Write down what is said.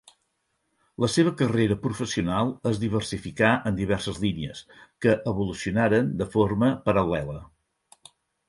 La seva carrera professional es diversificà en diverses línies, que evolucionaren de forma paral·lela.